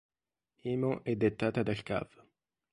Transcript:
Emo e dettata dal cav.